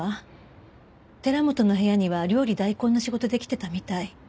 寺本の部屋には料理代行の仕事で来てたみたい。